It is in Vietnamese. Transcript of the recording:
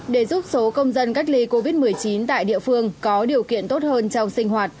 để giúp số công dân cách ly covid một mươi chín tại địa phương có điều kiện tốt hơn trong sinh hoạt